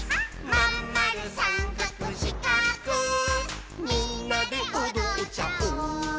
「まんまるさんかくしかくみんなでおどっちゃおう」